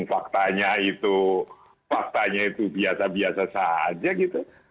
faktanya itu biasa biasa saja gitu